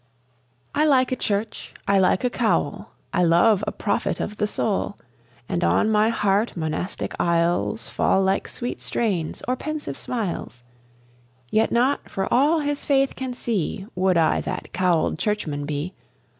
I like a church; I like a cowl; I love a prophet of the soul; And on my heart monastic aisles Fall like sweet strains, or pensive smiles: Yet not for all his faith can see Would I that cowlèd churchman be.